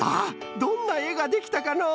どんなえができたかのう？